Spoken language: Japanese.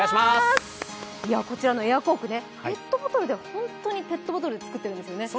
こちらのエアコークね、本当にペットボトルで作っているんですよね？